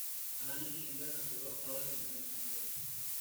Al año siguiente alcanzó los octavos de final en el mismo torneo.